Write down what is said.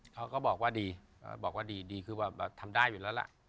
เขาก็บอกว่าดีบอกว่าดีดีคือว่าทำได้อยู่แล้วล่ะ